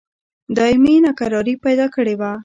دایمي ناکراري پیدا کړې وه.